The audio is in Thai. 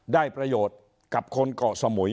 ได้ประโยชน์กับคนเกาะสมุย